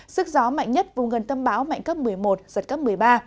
sức gió mạnh nhất vùng gần tâm bão mạnh cấp một mươi một giật cấp một mươi ba